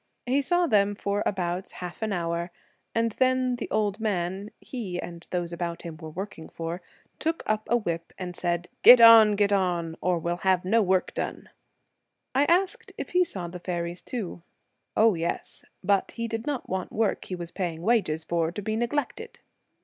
He saw them for about half an hour, and then the old man he and those about him were working for took up a whip and said, ' Get on, get on, or we will have no work done !' *3 The I asked if he saw the faeries too, ' Oh, Twilight, yes, but he did not want work he was paying wages for to be neglected.'